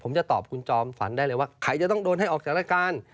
ผมจะตอบคุณจอมฝันได้เลยว่าใครจะต้องโดนให้ออกจากรายการ